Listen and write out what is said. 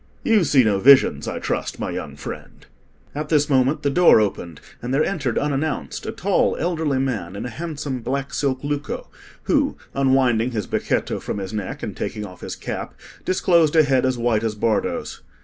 You see no visions, I trust, my young friend?" At this moment the door opened, and there entered, unannounced, a tall elderly man in a handsome black silk lucco, who, unwinding his becchetto from his neck and taking off his cap, disclosed a head as white as Bardo's.